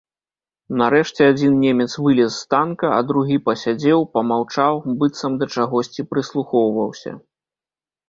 Нарэшце адзін немец вылез з танка, а другі пасядзеў, памаўчаў, быццам да чагосьці прыслухоўваўся.